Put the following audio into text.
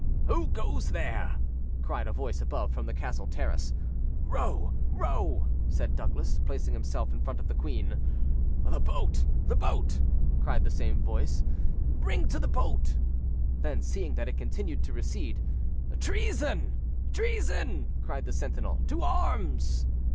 "Who goes there?" cried a voice above, from the castle terrace. "Row, row," said Douglas, placing himself in front of the queen. "The boat! the boat!" cried the same voice; "bring to the boat!" Then, seeing that it continued to recede, "Treason! treason!" cried the sentinel. "To arms!"